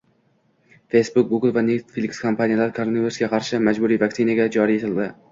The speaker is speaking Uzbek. Facebook, Google va Netflix kompaniyalari koronavirusga qarshi majburiy vaksinatsiya joriy qildi